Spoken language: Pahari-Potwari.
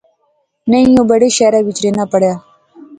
نئیں او بڑے شہرے وچ رہنا پڑھنا